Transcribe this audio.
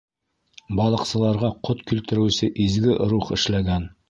-Балыҡсыларға ҡот килтереүсе изге рух эшләгән.